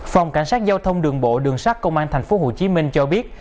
phòng cảnh sát giao thông đường bộ đường sát công an tp hcm cho biết